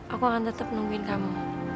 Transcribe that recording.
aku akan tetap nungguin kamu